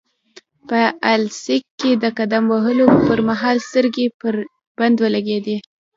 په السیق کې د قدم وهلو پرمهال مې سترګې پر بند ولګېدې.